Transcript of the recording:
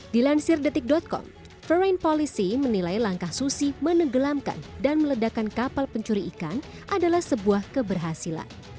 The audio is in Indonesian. dilansir detik com foreign policy menilai langkah susi menenggelamkan dan meledakan kapal pencuri ikan adalah sebuah keberhasilan